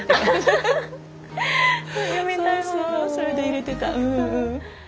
それで入れてた。